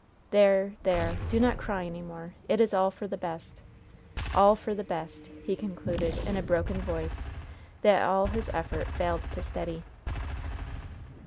There! there! do not cry any more. It is all for the best! All for the best!" he concluded, in a broken voice, that all his effort failed to steady.